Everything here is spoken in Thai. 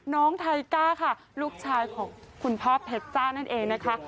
ไทก้าค่ะลูกชายของคุณพ่อเพชรจ้านั่นเองนะคะ